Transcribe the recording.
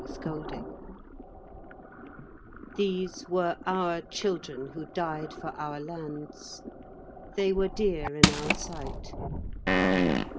THE CHILDREN These were our children who died for our lands: they were dear in our sight.